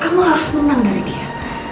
kamu harus menang dari dia